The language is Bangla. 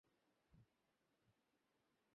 তিনি মূলতঃ ডানহাতি ফাস্ট মিডিয়াম বোলার হিসেবে খেলতেন।